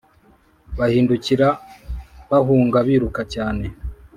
Bahindukira bahunga biruka cyane